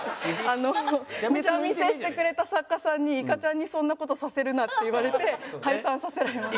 ネタ見せしてくれた作家さんに「いかちゃんにそんな事させるな」って言われて解散させられました。